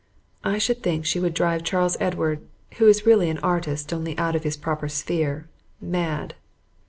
(I should think she would drive Charles Edward, who is really an artist, only out of his proper sphere, mad.)